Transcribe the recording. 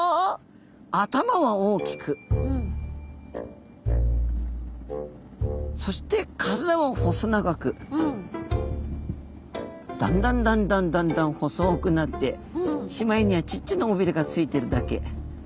頭は大きくそして体は細長くだんだんだんだんだんだん細くなってしまいにはちっちゃな尾鰭がついてるだけ。